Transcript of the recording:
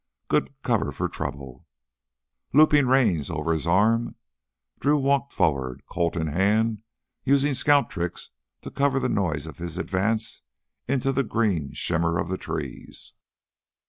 Good cover for trouble. Looping reins over his arm, Drew walked forward, Colt in hand, using scout tricks to cover the noise of his advance into the green shimmer of the trees.